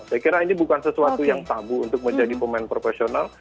saya kira ini bukan sesuatu yang tabu untuk menjadi pemain profesional